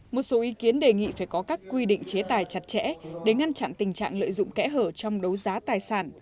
một số ý kiến đề nghị phải có các quy định chế tài chặt chẽ để ngăn chặn tình trạng lợi dụng kẽ hở trong đấu giá tài sản